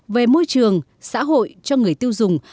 về môi trường xã hội cho người tiêu dùng